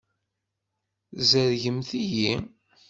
Tzerrgemt-iyi.